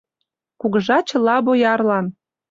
«Кугыжа чыла боярлан